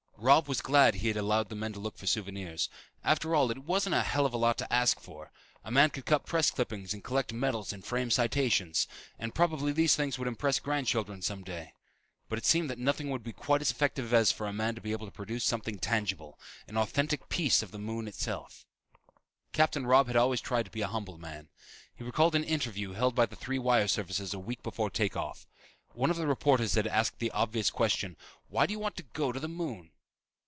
Robb was glad he had allowed the men to look for souvenirs. After all, it wasn't a hell of a lot to ask for. A man could cut press clippings and collect medals and frame citations; and probably these things would impress grandchildren someday. But it seemed that nothing would be quite as effective as for a man to be able to produce something tangible, an authentic piece of the moon itself. Captain Robb had always tried to be a humble man. He recalled an interview held by the three wire services a week before take off. One of the reporters had asked the obvious question, "Why do you want to go to the moon?"